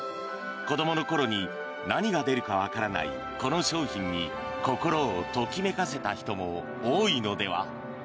子どもの頃に何が出るかわからないこの商品に心をときめかせた人も多いのでは？